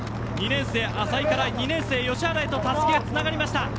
２年生、浅井から２年生、吉原へたすきがつながりました。